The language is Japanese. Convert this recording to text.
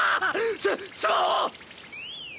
ススマホ！